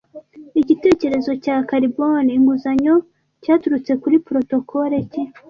Igitekerezo cya 'carbone inguzanyo' cyaturutse kuri protocole ki